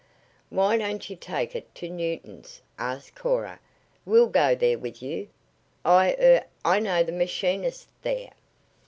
"Why don't you take it to Newton's?" asked Cora. "We'll go there with you. I er , I know the machinist there."